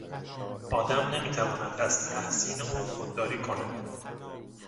آدم نمیتواند از تحسین او خودداری کند.